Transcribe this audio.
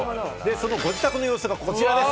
そのご自宅の様子がこちらです。